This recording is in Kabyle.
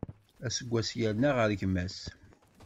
Aseggas yerna ɣer gma-s.